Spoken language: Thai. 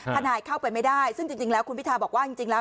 ทนายเข้าไปไม่ได้ซึ่งจริงแล้วคุณพิทาบอกว่าจริงแล้ว